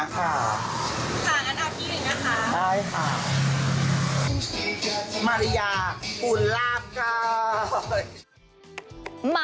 ค่ะงั้นเอาที่หนึ่งนะคะ